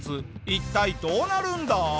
一体どうなるんだ！？